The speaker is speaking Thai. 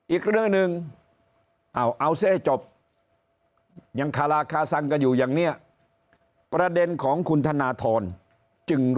อีกเรื่องหนึ่งเอาสิให้จบยังคาราคาซังกันอยู่อย่างนี้ประเด็นของคุณธนทรจึงรุ